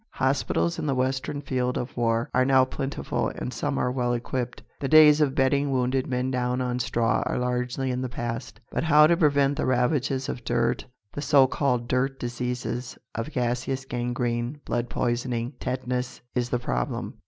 Hospitals in the western field of war are now plentiful and some are well equipped. The days of bedding wounded men down on straw are largely in the past, but how to prevent the ravages of dirt, the so called "dirt diseases" of gaseous gangrene, blood poisoning, tetanus, is the problem.